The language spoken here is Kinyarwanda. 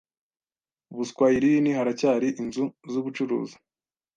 Buswayirini haracyari inzu z'ubucuruzi